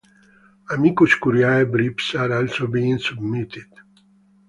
Amicus Curiae briefs are also being submitted.